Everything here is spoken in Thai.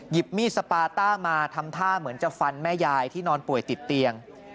มีดสปาต้ามาทำท่าเหมือนจะฟันแม่ยายที่นอนป่วยติดเตียง